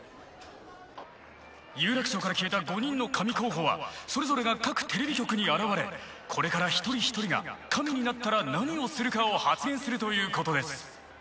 有楽町から消えた５人の神候補はそれぞれが各ＴＶ局に現れこれから一人一人が神になったら何をするかを発言するということです